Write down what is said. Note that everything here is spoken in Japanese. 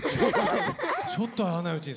ちょっと会わないうちに。